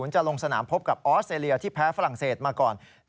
จะลงสนามพบกับออสเตรเลียที่แพ้ฝรั่งเศสมาก่อน